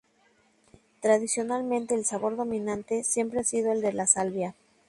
Tradicionalmente el sabor dominante siempre ha sido el de la salvia.